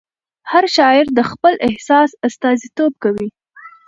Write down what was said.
هر شاعر د خپل احساس استازیتوب کوي.